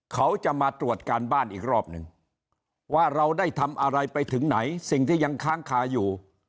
เขาจะมาตรวจการบ้านอีกรอบนึงว่าเราได้ทำอะไรไปถึงไหนสิ่งที่ยังค้างคาอยู่